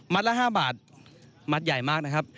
ละ๕บาทมัดใหญ่มากนะครับ